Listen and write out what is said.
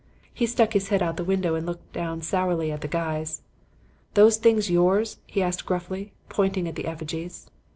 He stuck his head out of the window and looked down sourly at the guys. "'Those things yours?' he asked gruffly, pointing at the effigies.